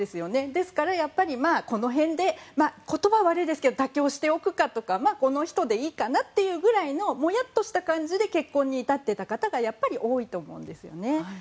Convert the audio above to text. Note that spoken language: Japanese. ですから、この辺で言葉は悪いですが妥協しておくかとかこの人でいいかなぐらいのもやっとした感じで結婚に至っていた方がやっぱり多いと思うんですよね。